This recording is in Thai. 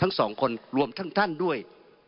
ทั้งสองคนรวมทั้งท่านด้วย